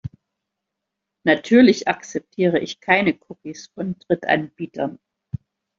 Natürlich akzeptiere ich keine Cookies von Drittanbietern.